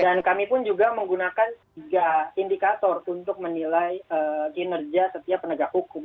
dan kami pun juga menggunakan tiga indikator untuk menilai kinerja setiap penegak hukum